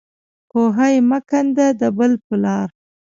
کوهی مه کنده د بل په لار.